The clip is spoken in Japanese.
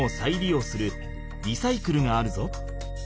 ようするリサイクルがあるぞ。